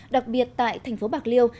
đặc biệt tại thành phố bạc liêu